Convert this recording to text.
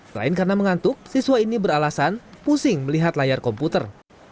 selain karena mengantuk siswa ini beralasan pusing melihat layar komputer